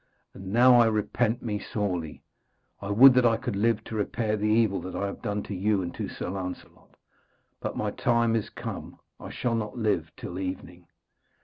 And now I repent me sorely. I would that I could live to repair the evil that I have done to you and to Sir Lancelot. But my time is come. I shall not live till evening.'